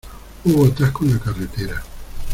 Hubo atasco en la carretera.